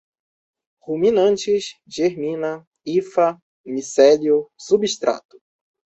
ruminantes, germina, hifa, micélio, substrato